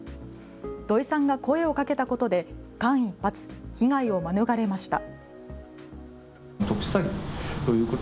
土居さんが声をかけたことで間一髪、被害を免れました。